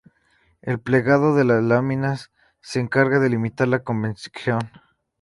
El plegado de las láminas se encarga de limitar la convección.